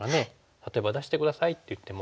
例えば「出して下さい」って言っても。